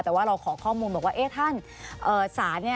แต่ว่าเราขอข้อมูลบอกว่าเอ๊ะท่าน